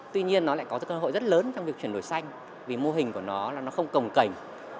tuy nhiên nó lại có cơ hội rất lớn trong việc chuyển đổi xanh vì mô hình của nó là nó không cồng cành